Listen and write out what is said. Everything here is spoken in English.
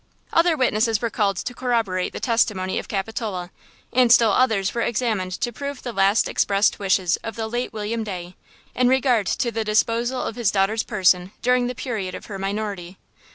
Other witnesses were called to corroborate the testimony of Capitola, and still others were examined to prove the last expressed wishes of the late William Day, in regard to the disposal of his daughter's person during the period of her minority.